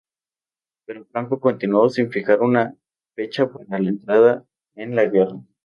Pero Franco continuó sin fijar una fecha para la entrada en la guerra.